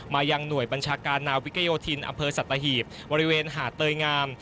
ยังหน่วยบัญชาการนาวิกโยธินอำเภอสัตหีบบริเวณหาดเตยงาม